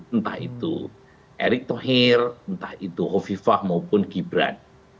entah itu erick thohir entah itu hovifah maupun gibran